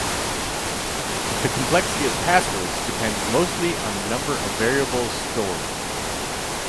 The complexity of passwords depends mostly on the number of variables stored.